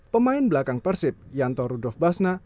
pemain belakang persib yanto rudol basna